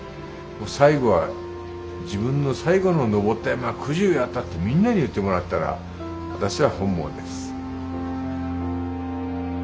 もう最後は自分の最後の登った山はくじゅうやったってみんなに言ってもらったら私は本望です。